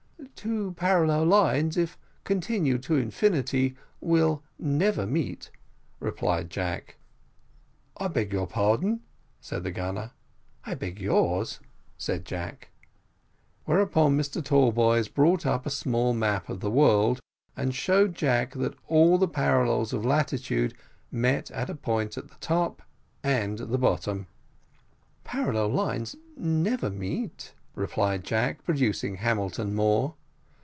"Two parallel lines, if continued to infinity, will never meet," replied Jack. "I beg your pardon," said the gunner. "I beg yours," said Jack. Whereupon Mr Tallboys brought up a small map of the world, and showed Jack that all the parallels of latitude met at a point at the top and bottom. "Parallel lines never meet," replied Jack, producing Hamilton Moore.